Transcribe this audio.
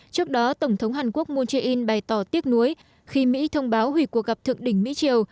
trước đó tổng thống hàn quốc moon jae in bày tỏ tiếc nuối khi mỹ thông báo hủy cuộc gặp thượng đỉnh mỹ triều